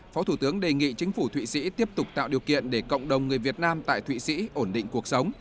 phó thủ tướng đề nghị chính phủ thụy sĩ tiếp tục tạo điều kiện để cộng đồng người việt nam tại thụy sĩ ổn định cuộc sống